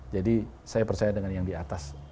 jadi saya percaya dengan yang di atas